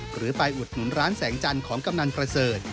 หรือไปอุดหนุนร้านแสงจันทร์ของกำนันประเสริฐ